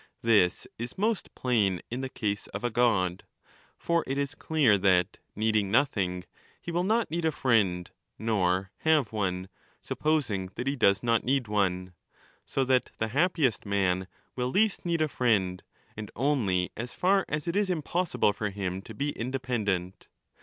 This is most plain in the case of a god ; for it is clear that, needing nothing, he will not need a friend, nor have one, supposing that he does not need one.^ So that 10 the happiest man will least need a friend, and only as far as it is impossible for him to be independent.